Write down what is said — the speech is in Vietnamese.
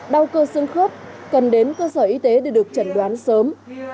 đau cơ xương khớp cần đến cơ sở y tế để được trần đoán sớm